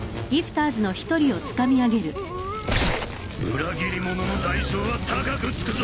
裏切り者の代償は高くつくぞ！